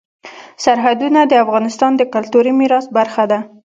سرحدونه د افغانستان د کلتوري میراث برخه ده.